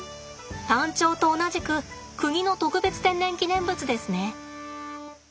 タンチョウと同じく国の特別天然記念物ですね。